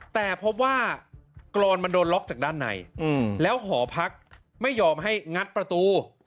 แต่พบว่ากรอนมันโดนล็อกจากด้านในแล้วหอพักไม่ยอมให้งัดประตู